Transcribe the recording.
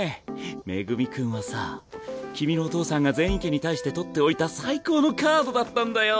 恵君はさ君のお父さんが禪院家に対して取っておいた最高のカードだったんだよ！